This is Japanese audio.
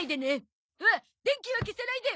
おっ電気は消さないで！